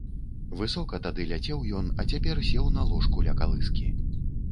Высока тады ляцеў ён, а цяпер сеў на ложку ля калыскі.